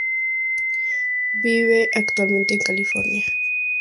Vive actualmente en California.